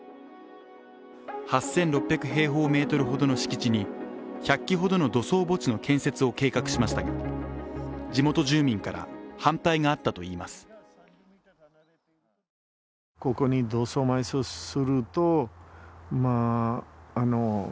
８６００平方メートルほどの敷地に１００基ほどの土葬墓地の建設を計画しましたが地元住民から反対があったといいます。